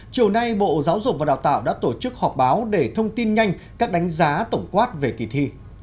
chiều nay bộ giáo dục và đào tạo đã tổ chức họp báo để thông tin nhanh các đánh giá tổng quát về kỳ thi